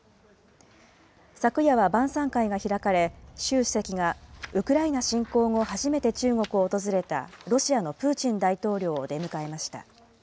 昨夜は晩さん会が開かれ、習主席がウクライナ侵攻後初めて中国を訪れた、ロシアのプーチン大統領を出迎えました。